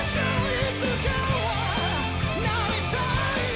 「いつかはなりたい」